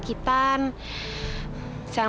sem dogserg saya